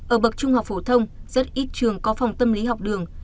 ở bậc trung học phổ thông rất ít trường có phòng tâm lý học đường